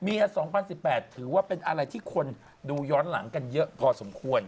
๒๐๑๘ถือว่าเป็นอะไรที่คนดูย้อนหลังกันเยอะพอสมควร